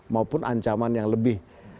maupun ancaman yang lebih